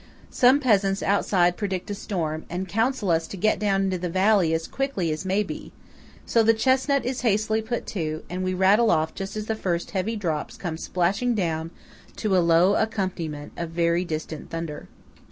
Some peasants outside predict a storm, and counsel us to get down into the valley as quickly as may be; so the chesnut is hastily put to, and we rattle off just as the first heavy drops come splashing down to a low accompaniment of very distant thunder.